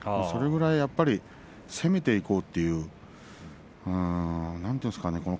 それぐらいやっぱり攻めていこうというなんていうんですかね